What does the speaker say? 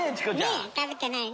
ねぇ食べてないね。